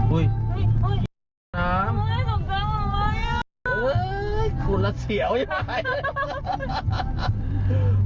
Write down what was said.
อุ๊ยน้ำคุณลัดเสี่ยวอยู่ไหมคุณลัดเสี่ยวอยู่ไหม